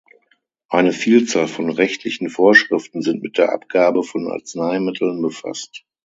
Eine Vielzahl von rechtlichen Vorschriften sind mit der Abgabe von Arzneimitteln befasst.